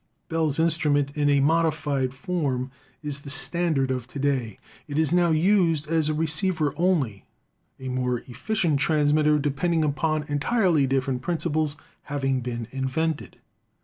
" Bell's instrument in a modified form is the standard of to day. It is now used as a receiver only, a more efficient transmitter, depending upon entirely different principles, having been invented.